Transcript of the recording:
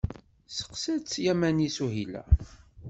Testeqqsa-tt Yamani Suhila.